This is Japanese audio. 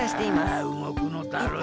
あうごくのだるいな。